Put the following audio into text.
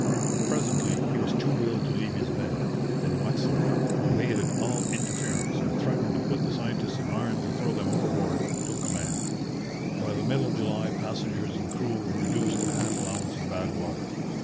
Presently, he was too ill to leave his bed, and Waxel, who hated all interference and threatened to put the scientists in irons or throw them overboard, took command. By the middle of July passengers and crew were reduced to half allowance of bad water.